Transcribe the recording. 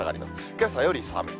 けさより寒い。